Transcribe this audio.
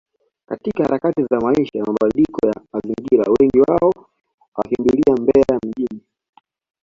katika harakati za maisha na mabadiliko ya mazingira wengi wao wakakimbilia Mbeya mjini